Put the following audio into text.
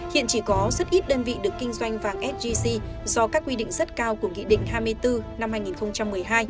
hiện chỉ có rất ít đơn vị được kinh doanh vàng sgc do các quy định rất cao của nghị định hai mươi bốn năm hai nghìn một mươi hai